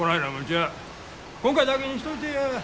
今回だけにしといてや。